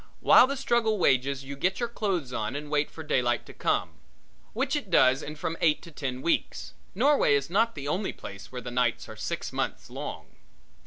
While the struggle wages you get your clothes on and wait for daylight to come, which it does in from eight to ten weeks. Norway is not the only place where the nights are six months long.